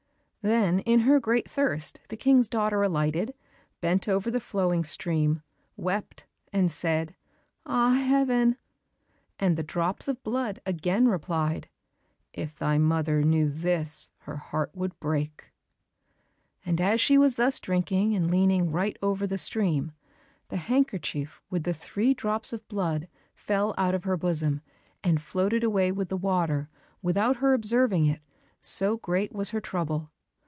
Then in her great thirst the King's daughter alighted, bent over the flowing stream, wept and said, "Ah, Heaven!" and the drops of blood again replied, "If thy mother knew this, her heart would break." And as she was thus drinking and leaning right over the stream, the handkerchief with the three drops of blood fell out of her bosom, and floated away with the water without her observing it, so great was her trouble.